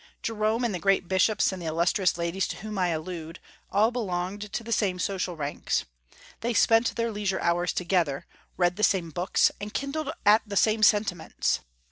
Jerome, and the great bishops, and the illustrious ladies to whom I allude, all belonged to the same social ranks. They spent their leisure hours together, read the same books, and kindled at the same sentiments.